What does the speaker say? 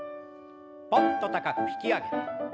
ぽんと高く引き上げて。